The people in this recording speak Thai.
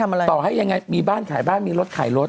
ต่อให้ยังไงมีบ้านขายบ้านมีรถขายรถ